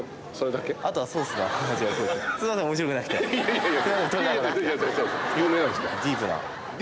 いやいや。